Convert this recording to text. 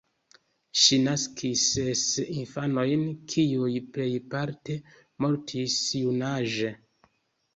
Ŝi naskis ses infanojn, kiuj plejparte mortis junaĝe.